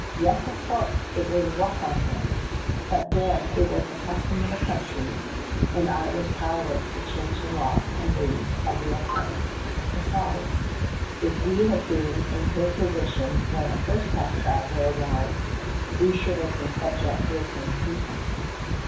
Yes, of course, it was rough on him, but then it was the custom of the country, and I was powerless to change the laws and ways of the empire; besides, if we had been in his position when a first class traveler arrived we should have been subject to the same treatment.